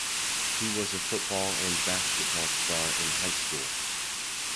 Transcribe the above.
He was a football and basketball star in high school.